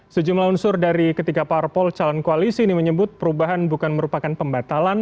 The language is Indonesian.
sejumlah unsur dari ketiga parpol calon koalisi ini menyebut perubahan bukan merupakan pembatalan